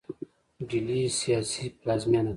ډیلي سیاسي پلازمینه ده.